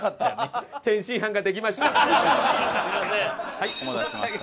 はいお待たせしました。